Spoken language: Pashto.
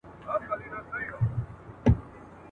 بيا به ګورئ بيا به وينئ ,